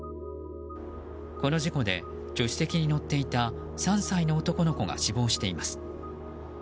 この事故で助手席に乗っていた３歳の男の子が死亡しています。